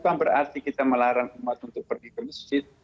bukan berarti kita melarang umat untuk pergi ke masjid